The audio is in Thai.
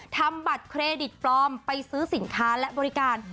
ทำบัตรเครดิตปลอมไปซื้อสินค้าและบริการ